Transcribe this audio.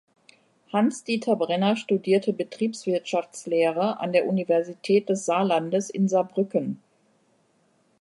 Hans-Dieter Brenner studierte Betriebswirtschaftslehre an der Universität des Saarlandes in Saarbrücken.